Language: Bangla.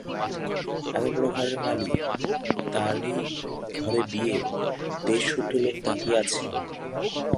এতবড়ো ঘরের মালী, তারই ঘরে বিয়ে, দেশসুদ্ধ লোক তাকিয়ে আছে।